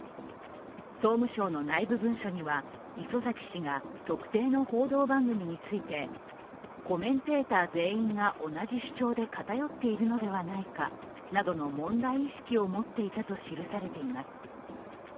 総務省の内部文書には、礒崎氏が特定の報道番組についてコメンテーター全員が同じ主張で偏っているのではないかなどの問題意識を持っていたと記されています。